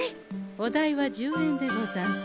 お代は１０円でござんす。